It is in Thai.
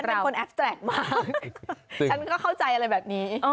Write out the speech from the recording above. เป็นคนแอฟแตรกมากฉันก็เข้าใจอะไรแบบนี้